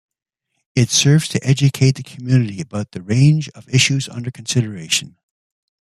It serves to educate the community about the range of issues under consideration.